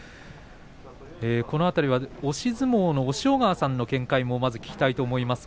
この辺りは押し相撲の押尾川さんの見解も聞きたいと思います。